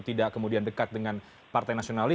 tidak kemudian dekat dengan partai nasionalis